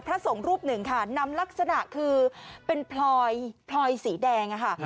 พระสงฆ์รูปหนึ่งค่ะนำลักษณะคือเป็นพลอยพลอยสีแดงอะค่ะ